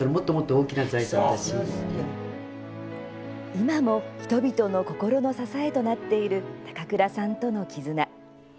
今も人々の心の支えとなっている高倉さんとの絆。